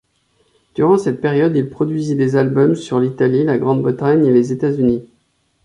Durant cette période, il produisit des albums sur l'Italie, la Grande-Bretagne et les États-Unis.